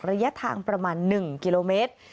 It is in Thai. ระยะทางประมาณ๑กิโลเมตร